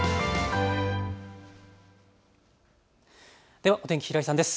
では、お天気、平井さんです。